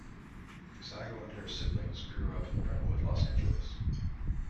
Sagal and her siblings grew up in Brentwood, Los Angeles.